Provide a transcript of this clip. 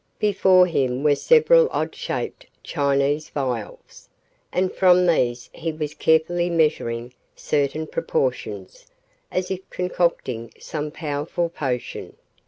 Before him were several odd shaped Chinese vials, and from these he was carefully measuring certain proportions, as if concocting some powerful potion.